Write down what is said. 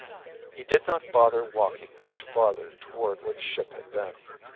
He did not bother walking much farther toward where the ship had been.